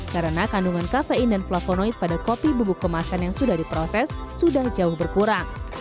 karena kandungan kafein dan flavonoid pada kopi bubuk kemasan yang sudah diproses sudah jauh berkurang